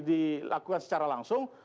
dilakukan secara langsung